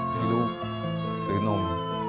ไม่รู้ซื้อนม